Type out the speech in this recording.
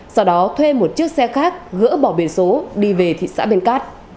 sau đó thuê một chiếc xe khác gỡ bỏ biển số đi về thị xã bến cát